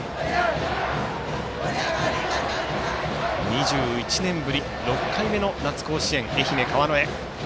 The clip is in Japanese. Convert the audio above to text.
２１年ぶり６回目の夏の甲子園、愛媛の川之江。